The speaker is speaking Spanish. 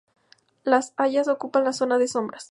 Las hayas ocupan las zonas de sombra.